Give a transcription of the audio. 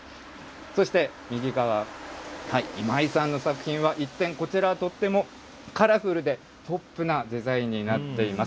そして右側、今井さんの作品は、一転、こちらはとってもカラフルでポップなデザインになっています。